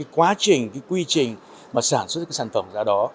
quá trình quy trình mà sản xuất các sản phẩm ra đó